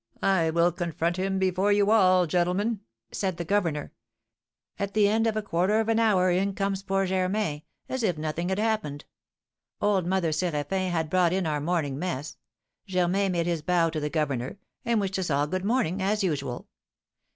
I will confront him before you all, gentlemen,' said the governor. At the end of a quarter of an hour in comes poor Germain, as if nothing had happened. Old Mother Séraphin had brought in our morning mess. Germain made his bow to the governor, and wished us all 'good morning,' as usual.